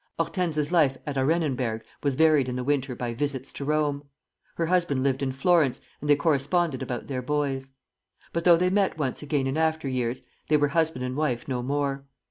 Hortense's life at Arenenberg was varied in the winter by visits to Rome. Her husband lived in Florence, and they corresponded about their boys. But though they met once again in after years, they were husband and wife no more.